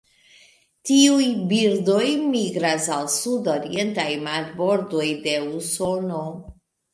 Tiuj birdoj migras al sudorientaj marbordoj de Usono.